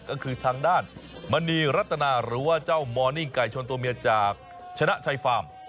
ก็คือทางด้านมณีรัตนาหรือว่าเจ้ามอร์นิ่งไก่ชนตัวเมียจากชนะชัยฟาร์ม